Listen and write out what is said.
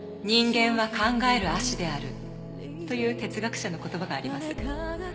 「人間は考える葦である」という哲学者の言葉があります。